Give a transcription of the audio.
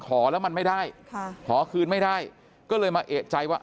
ขอแล้วมันไม่ได้ค่ะขอคืนไม่ได้ก็เลยมาเอกใจว่า